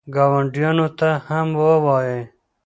ګاونډیانو ته هم ووایئ.